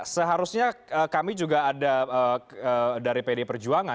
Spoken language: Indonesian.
seharusnya kami juga ada dari pd perjuangan